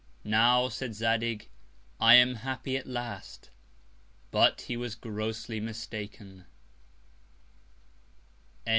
Now, said Zadig, I am happy at last; but he was grosly mistaken.